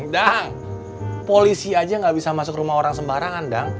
dah polisi aja gak bisa masuk rumah orang sembarangan dah